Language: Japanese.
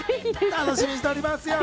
楽しみにしております。